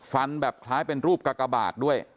ฟันแบบคล้ายเป็นรูปกากบาทด้วย